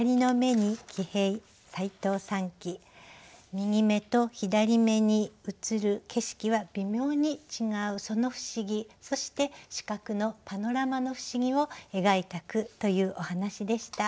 右眼と左眼に映る景色は微妙に違うその不思議そして視覚のパノラマの不思議を描いた句というお話でした。